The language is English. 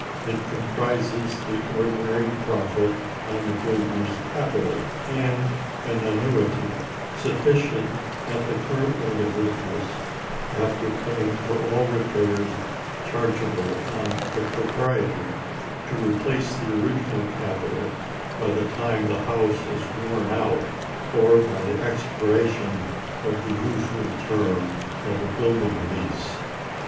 It comprises the ordinary profit on the builder's capital, and an annuity, sufficient at the current rate of interest, after paying for all repairs chargeable on the proprietor, to replace the original capital by the time the house is worn out, or by the expiration of the usual term of a building lease.